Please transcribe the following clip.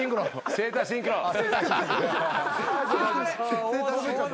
セーターシンクロあ！